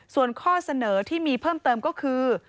ส่วนข้อเสนอที่มีเพิ่มเติมก็คือ